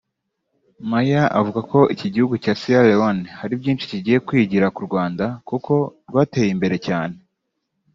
Maya avuga ko igihugu cya Sierra Leone hari byinshi kigiye kwigira ku Rwanda kuko rwateye imbere cyane